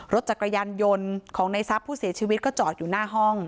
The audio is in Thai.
รถจักรยานยนต์ของในทรัพย์ผู้เสียชีวิตก็จอดอยู่หน้าห้อง